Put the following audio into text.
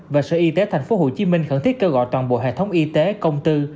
và sở y tế tp hcm khẩn thiết kêu gọi toàn bộ hệ thống y tế công tư